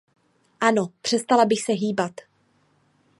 Ano, přestala bych se hýbat.